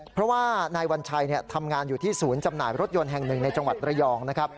เพราะว่านายวัญชัยทำงานอยู่ที่ศูนย์จำหน่ายรถยนต์แห่งหนึ่งในจังหวัดระยองนะครับ